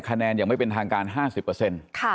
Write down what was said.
คะแนนยังไม่เป็นทางการ๕๐ค่ะนับไปแล้วนะฮะ